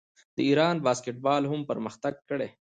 د ایران باسکیټبال هم پرمختګ کړی.